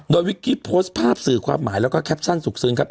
โดยวิกกี้โพสต์ภาพสื่อความหมายแล้วก็แคปชั่นสุขซึ้งครับ